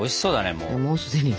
もうすでにね。